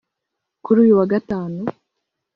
kuri uyu wa gatanu